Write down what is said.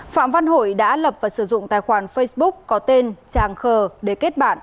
phạm văn hội đã lập và sử dụng tài khoản facebook có tên tràng khờ để kết bạn